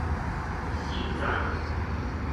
四指